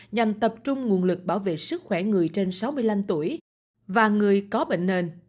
nhằm tập trung nguồn lực bảo vệ sức khỏe người trên sáu mươi năm tuổi và người có bệnh nền